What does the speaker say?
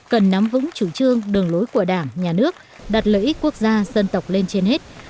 cần nắm vững chủ trương đường lối của đảng nhà nước đặt lợi ích quốc gia dân tộc lên trên hết